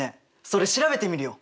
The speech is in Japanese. それ調べてみるよ！